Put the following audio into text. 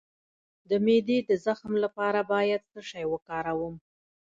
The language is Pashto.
د معدې د زخم لپاره باید څه شی وکاروم؟